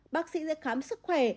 bác sĩ sẽ khám sức khỏe